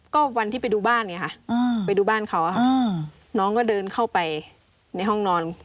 ก็วันที่ไปดูบ้านไงค่ะไปดูบ้านเขาค่ะน้องก็เดินเข้าไปในห้องนอน